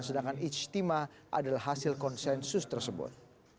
sedangkan ijtima adalah hasil konsensus tersebut